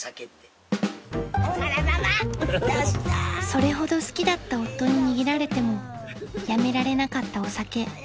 ［それほど好きだった夫に逃げられてもやめられなかったお酒］